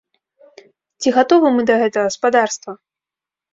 Ці гатовы мы да гэтага, спадарства?